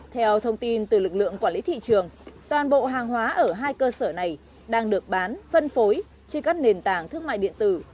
theo thông tin từ lực lượng quản lý thị trường toàn bộ hàng hóa ở hai cơ sở này đang được bán phân phối trên các nền tảng thương mại điện tử